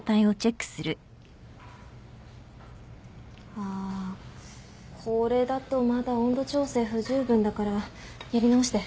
あこれだとまだ温度調整不十分だからやり直して。